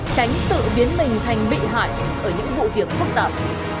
tránh tự biến mình thành bị hại ở những vụ việc phức tạp